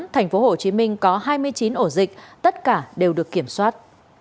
tp hcm có hai mươi chín ổ dịch tất cả đều được kiểm soát